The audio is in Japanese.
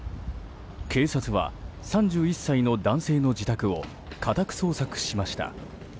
警察は３１歳の男性の自宅を家宅捜索しました。